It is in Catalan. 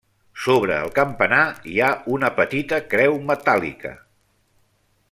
Sobre el campanar hi ha una petita creu metàl·lica.